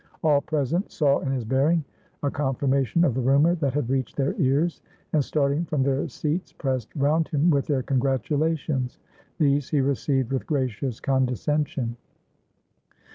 All present saw in his bearing a confir mation of the rumor that had reached their ears, and starting from their seats pressed round him with their congratulations; these he received with gracious con descension.